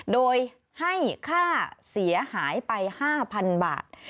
โดยให้ค่าเสียหายไป๕๐๐๐บาท